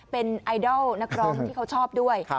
เป็นไอดอลนักร้องที่เขาชอบด้วย